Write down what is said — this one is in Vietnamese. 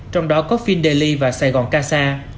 trong đó có findeli và sài gòn casa